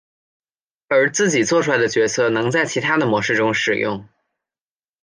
而自己作出来的角色能在其他的模式中使用。